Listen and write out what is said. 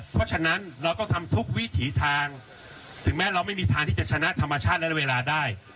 เพราะฉะนั้นเราต้องทำทุกวิถีทางถึงแม้เราไม่มีทางที่จะชนะธรรมชาติและเวลาได้